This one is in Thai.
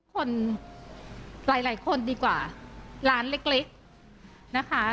คนหลายหลายคนดีกว่าร้านเล็กนะคะ